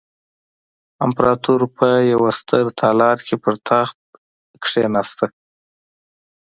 امپراتور په یوه ستر تالار کې پر تخت کېناسته.